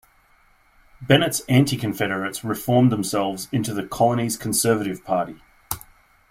Bennett's anti-Confederates reformed themselves into the colony's Conservative Party.